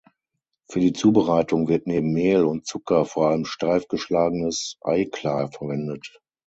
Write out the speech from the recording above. Für die Zubereitung wird neben Mehl und Zucker vor allem steif geschlagenes Eiklar verwendet.